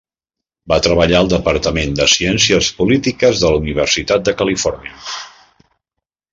Va treballar al departament de ciències polítiques de la Universitat de Califòrnia.